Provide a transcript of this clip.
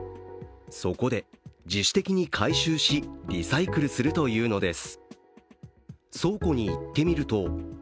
そこで自主的に回収し、リサイクルするというのです。